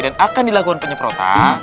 dan akan dilakukan penyeprotan